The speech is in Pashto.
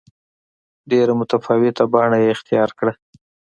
ډېره متفاوته بڼه یې اختیار کړه.